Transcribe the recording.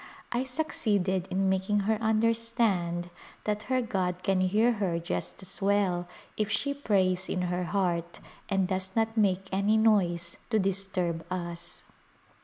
I succeeded in making her understand that her god can hear her just as well if she prays in her heart and does not make any noise to disturb us.